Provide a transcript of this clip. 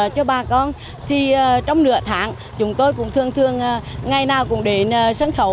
cho bà con thì trong nửa tháng chúng tôi cũng thường thường ngày nào cũng đến sân khấu